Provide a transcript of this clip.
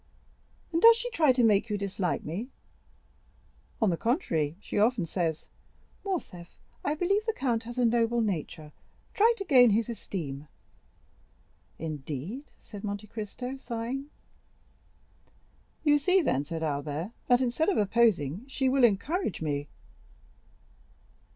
"And does she try to make you dislike me?" "On the contrary, she often says, 'Morcerf, I believe the count has a noble nature; try to gain his esteem.'" "Indeed?" said Monte Cristo, sighing. "You see, then," said Albert, "that instead of opposing, she will encourage me."